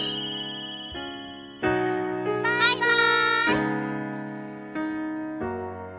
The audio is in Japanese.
バイバイ。